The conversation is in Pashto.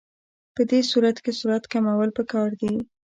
په دې صورت کې سرعت کمول پکار دي